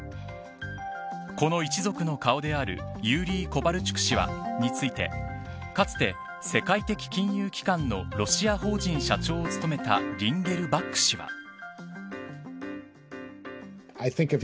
この一族の顔であるユーリー・コヴァリチュク氏についてかつて世界的金融機関のロシア法人社長を務めたリンゲルバック氏は。